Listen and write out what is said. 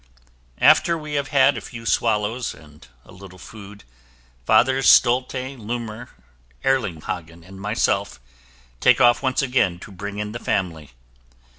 After we have had a few swallows and a little food, Fathers Stolte, Luhmer, Erlinghagen and myself, take off once again to bring in the family.